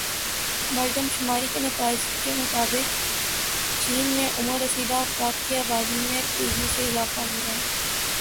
مردم شماری کے نتائج کے مطابق چین میں عمر رسیدہ افراد کی آبادی میں تیزی سے اضافہ ہو رہا ہے